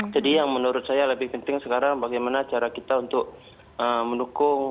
jadi yang menurut saya lebih penting sekarang bagaimana cara kita untuk mendukung